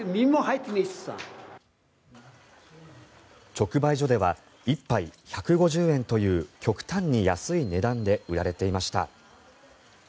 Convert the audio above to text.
直売所では１杯１５０円という極端に安い値段で売られていました。